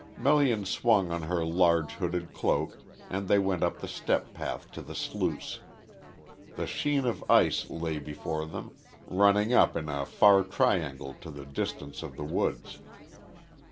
Melian swung on her large hooded cloak, and they went up the step path to the sluice. The sheen of ice lay before them, running up in a far triangle to the distance of the woods.